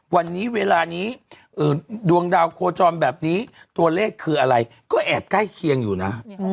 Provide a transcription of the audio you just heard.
วันนี้เวลานี้ดวงดาวโคจรแบบนี้ตัวเลขคืออะไรก็แอบใกล้เคียงอยู่นะ